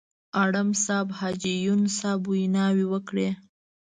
اړم صاحب، حاجي یون صاحب ویناوې وکړې.